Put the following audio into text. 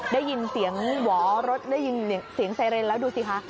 ได้ยินเสียงหวอรถได้ยินเสียงไซเรนแล้วดูสิคะ